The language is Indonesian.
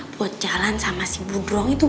buat jalan sama si budrong itu